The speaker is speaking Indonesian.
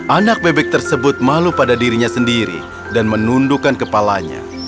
anak bebek tersebut malu pada dirinya sendiri dan menundukkan kepalanya